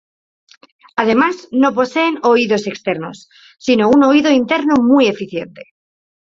Además no poseen oídos externos, sino un oído interno muy eficiente.